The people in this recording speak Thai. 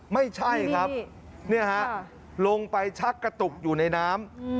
ไม่ใช่ครับลงไปชักกระตุกอยู่ในน้ำ